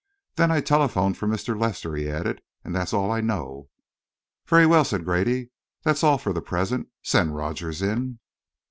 "Then I telephoned for Mr. Lester," he added, "and that's all I know." "Very well," said Grady. "That's all for the present. Send Rogers in."